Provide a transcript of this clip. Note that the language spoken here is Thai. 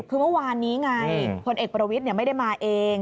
คือเมื่อวานนี้ไงพลเอกประวิทย์ไม่ได้มาเอง